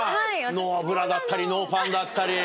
ノーブラだったりノーパンだったり。